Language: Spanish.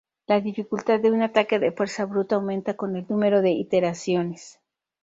La dificultad de un ataque de fuerza bruta aumenta con el número de iteraciones.